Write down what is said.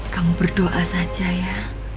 kamu berdoa saja ya